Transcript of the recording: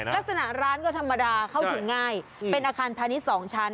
ลักษณะร้านก็ธรรมดาเข้าถึงง่ายเป็นอาคารพาณิชย์๒ชั้น